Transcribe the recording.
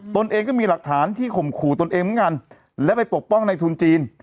ตนเองก็มีหลักฐานที่ข่มขู่ตนเองเหมือนกันและไปปกป้องในทุนจีน